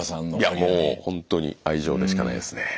いやもうほんとに愛情でしかないですね。